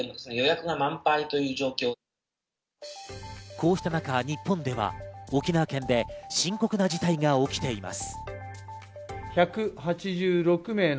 こうした中、日本では沖縄県で深刻な事態が起きています。